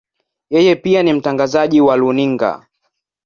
Yeye pia ni mtangazaji wa runinga.